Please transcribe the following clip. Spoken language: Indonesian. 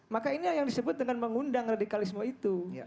maka ini yang disebut dengan mengundang radikalisme itu